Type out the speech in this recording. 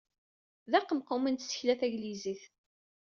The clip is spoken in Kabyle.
D aqemqum n tsekla taglizit.